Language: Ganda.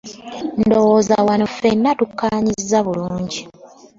Ndowooza wano ffenna tukkaanyizza bulungi.